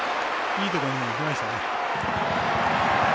いいところにいきましたね。